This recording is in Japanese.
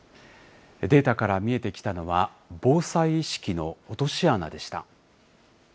データから見えてきたのは、防災意識の落とし穴でした。